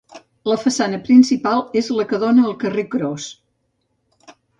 La façana principal és la que dóna al carrer Cros.